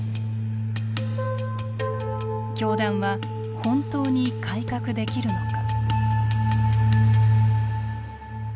教団は本当に改革できるのか。